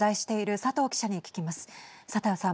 佐藤さん。